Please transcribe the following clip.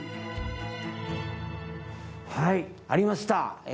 はいありました。